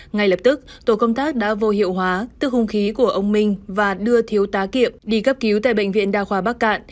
ngay lập tức tổ công tác đã vô hiệu hóa tức hung khí của ông minh và đưa thiếu tá kiệm đi cấp cứu tại bệnh viện đa khoa bắc cạn